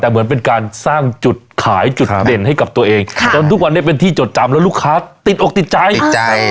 แต่เหมือนเป็นการสร้างจุดขายจุดเด่นให้กับตัวเองค่ะจนทุกวันนี้เป็นที่จดจำแล้วลูกค้าติดอกติดใจติดใจ